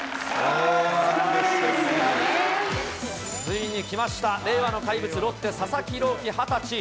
ついにきました、令和の怪物、ロッテ、佐々木朗希２０歳。